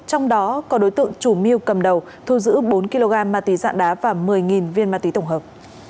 trong đó có đối tượng chủ mưu cầm đầu thu giữ bốn kg ma túy dạng đá và một mươi viên ma túy tổng hợp